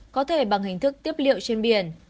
có thể bằng hình thức tiếp liệu trên biển